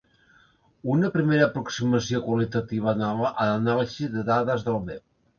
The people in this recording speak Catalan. Una primera aproximació qualitativa a l'anàlisi de dades del web.